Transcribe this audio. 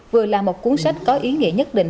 vừa là một cuốn sách có ý nghĩa nhất định